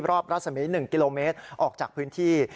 รัศมี๑กิโลเมตรออกจากพื้นที่